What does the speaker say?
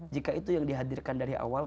jika itu yang dihadirkan dari awal